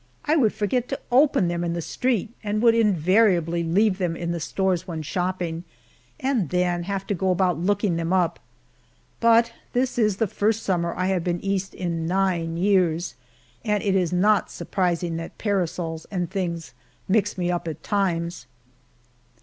I would forget to open them in the street, and would invariably leave them in the stores when shopping, and then have to go about looking them up. But this is the first summer I have been East in nine years, and it is not surprising that parasols and things mix me up at times.